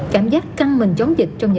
cảm giác căng mình chống dịch